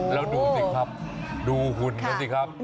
แล้วดูสิครับดูหุ่นเขาสิครับ